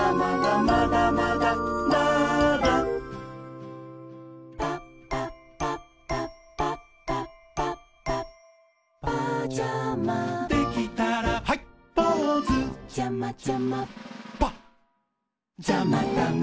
「まだまだまーだ」「パッパッパッパッパッパッパッパッパジャマ」「できたらはいポーズ」「パッじゃまたね」